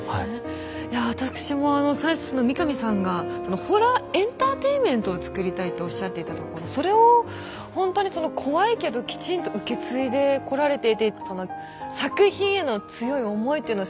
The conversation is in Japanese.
いやわたくしもあの最初三上さんが「ホラーエンターテインメントを作りたい」とおっしゃっていたところそれをほんとに怖いけどきちんと受け継いでこられていて作品への強い思いっていうのをかなり感じました。